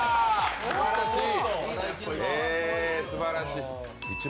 すばらしい。